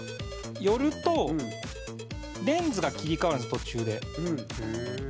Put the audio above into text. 寄るとレンズが切り替わるんです途中で。